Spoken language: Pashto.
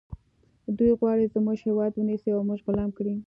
دوی غواړي زموږ هیواد ونیسي او موږ غلام کړي